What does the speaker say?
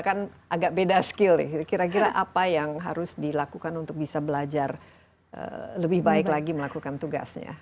kan agak beda skill ya kira kira apa yang harus dilakukan untuk bisa belajar lebih baik lagi melakukan tugasnya